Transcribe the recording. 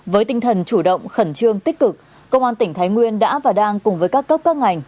với tinh thần chủ động khẩn trương tích cực công an tỉnh thái nguyên đã và đang cùng với các cấp các ngành